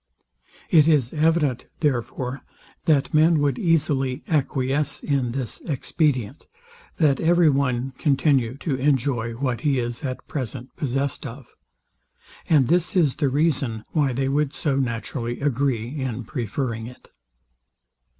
It is evident, therefore, that men would easily acquiesce in this expedient, that every one continue to enjoy what he is at present possessed of; and this is the reason, why they would so naturally agree in preferring it.